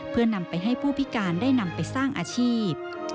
เพื่อนำไปให้ผู้พิการได้นำไปสร้างอาชีพ